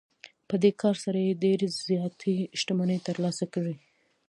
په دې کار سره یې ډېرې زیاتې شتمنۍ ترلاسه کړې